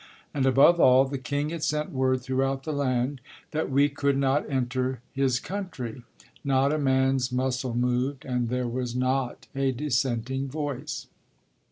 And above all, the king had sent word throughout the land that we could not enter his country. Not a man's muscle moved, and there was not a dissenting voice.